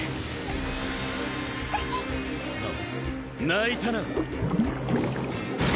泣いたな？